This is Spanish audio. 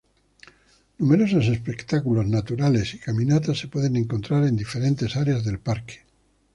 Numerosos espectáculos naturales y caminatas se pueden encontrar en diferentes áreas del parque.